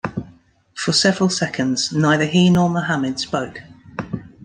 For several seconds neither he nor Muhammad spoke.